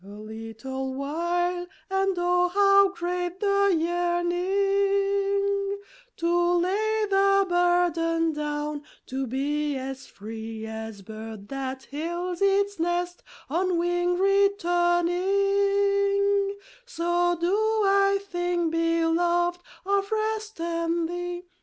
A little while and oh, how great the yearning To lay the burden down, to be as free As bird that hails its nest, on wing returning; So do I think, beloved, of rest and thee!